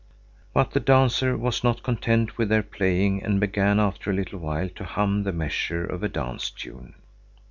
But the dancer was not content with their playing and began after a little while to hum the measure of a dance tune.